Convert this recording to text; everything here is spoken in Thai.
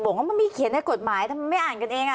ว่ามันมีเขียนในกฎหมายทำไมไม่อ่านกันเอง